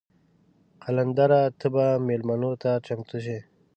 قلندره ته به میلمنو ته چمتو شې.